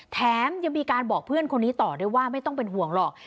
แถมยังมีการบอกเพื่อนคนนี้ต่อด้วยว่าไม่ต้องเป็นห่วงหรอก